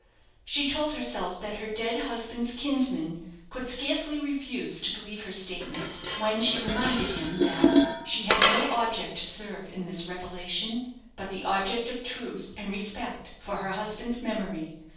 She told herself that her dead husband's kinsman could scarcely refuse to believe her statement, when she reminded him that she had no object to serve in this revelation but the object of truth and respect for her husband's memory.